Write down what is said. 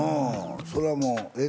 それはもうえ？